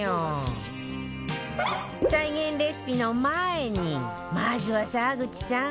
再現レシピの前にまずは沢口さん